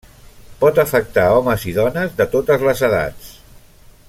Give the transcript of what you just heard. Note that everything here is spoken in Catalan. Pot afectar homes i dones de totes les edats.